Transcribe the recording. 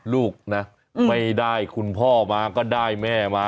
ลูกนะไม่ได้คุณพ่อมาก็ได้แม่มา